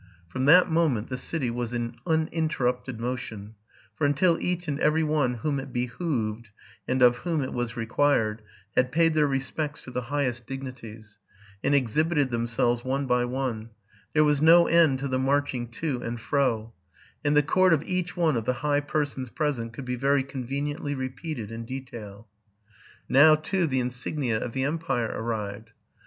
From that moment the city was in uninterrupted motion ; for until each and every one whom it behooved, and of whom it was required, had paid their respects to the highest digni ties, and exhibited themselves one by one, there was no end to the marching to and fro: and the court of each one of the high persons present could be very conveniently repeated in detail. Now, too, the insignia of the empire arrived.